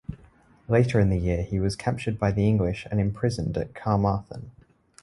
Later in the year he was captured by the English and imprisoned at Carmarthen.